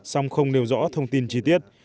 xong không nêu rõ thông tin chi tiết